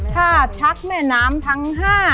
ชักแม่น้ำทั้ง๕